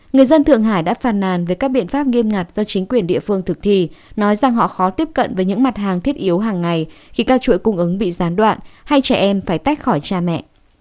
người dân thượng hải đã phàn nàn về các biện pháp nghiêm ngặt do chính quyền địa phương thực thi nói rằng họ khó tiếp cận với những mặt hàng thiết yếu hàng ngày khi các chuỗi cung ứng bị gián đoạn hay trẻ em phải tách khỏi cha mẹ